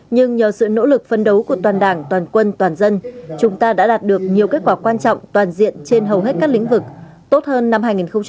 nhưng nhờ sự nỗ lực phân đấu của toàn đảng toàn quân toàn dân chúng ta đã đạt được nhiều kết quả quan trọng toàn diện trên hầu hết các lĩnh vực tốt hơn năm hai nghìn một mươi tám